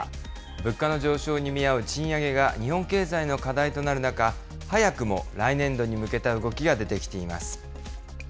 物価の上昇に見合う賃上げが日本経済の課題となる中、早くも来年度に向けた動きが出てきています。